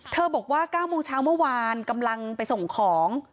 บอกว่า๙โมงเช้าเมื่อวานกำลังไปส่งของ